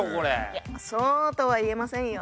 いやそうとは言えませんよ。